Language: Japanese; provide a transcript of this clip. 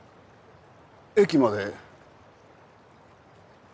駅まで。